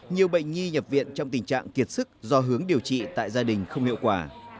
nhiều bệnh nhi nhập viện trong tình trạng kiệt sức do hướng điều trị tại gia đình không hiệu quả